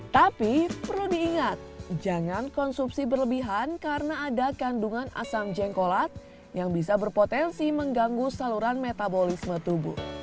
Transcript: tapi perlu diingat jangan konsumsi berlebihan karena ada kandungan asam jengkolat yang bisa berpotensi mengganggu saluran metabolisme tubuh